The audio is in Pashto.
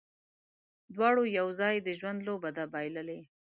دواړو یو ځای، د ژوند لوبه ده بایللې